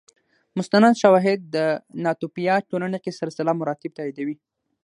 مستند شواهد د ناتوفیا ټولنه کې سلسله مراتب تاییدوي